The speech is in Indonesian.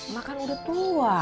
mak kan udah tua